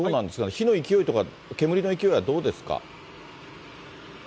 火の勢いとか、煙の勢いはどうですか？